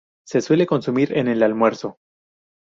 Se suele consumir en el almuerzo.